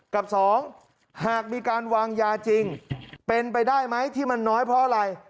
กับสองหากมีการวางยาจริงเป็นไปได้ไหมที่มันน้อยเพราะอะไร